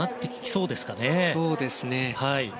そうですね。